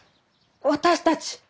私たち。